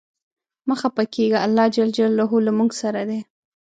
مه خپه کیږه ، الله ج له مونږ سره دی.